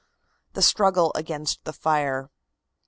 THE STRUGGLE AGAINST THE FIRE.